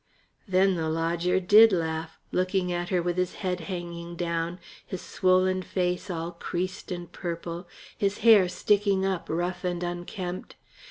Then the lodger did laugh, looking at her with his head hanging down, his swollen face all creased and purple, his hair sticking up rough and unkempt.